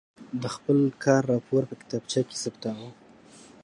د خپل کار راپور په کتابچه کې ثبتاوه.